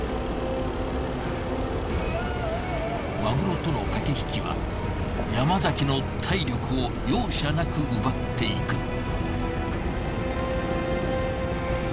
マグロとの駆け引きは山崎の体力を容赦なく奪っていく。